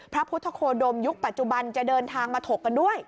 พระพุทธโคดมยุคปัจจุบันจะเดินทางมาถกกันด้วย